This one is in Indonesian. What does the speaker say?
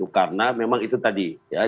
karena memang itu tadi